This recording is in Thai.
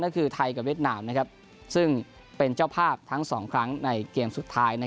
ก็คือไทยกับเวียดนามซึ่งเป็นเจ้าภาพทั้ง๒ครั้งในเกมสุดท้าย